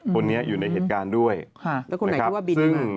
คนนี้อยู่ในเหตุการณ์ด้วยค่ะแล้วคนไหนที่ว่าบิน